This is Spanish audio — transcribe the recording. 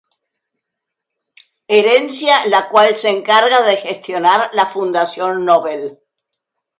Herencia la cual se encarga de gestionar la Fundación Nobel.